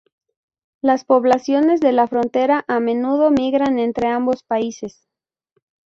Las poblaciones de la frontera a menudo migran entre ambos países.